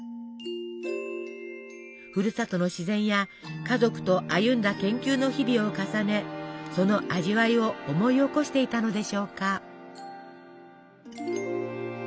ふるさとの自然や家族と歩んだ研究の日々を重ねその味わいを思い起こしていたのでしょうか。